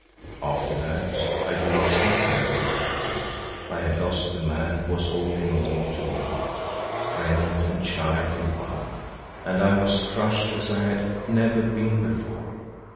After that I do not quite know what happened. I had lost the man who was all in all to me, friend and child in one, and I was crushed as I had never been before.